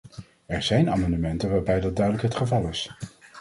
Er zijn amendementen waarbij dat duidelijk het geval is.